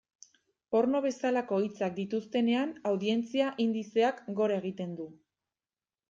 Porno bezalako hitzak dituztenean, audientzia indizeak gora egiten du.